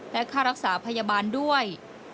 และค่ารักษาพยาบาลด้วย